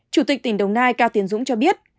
chủ tịch tỉnh đồng nai cao tiến dũng cho biết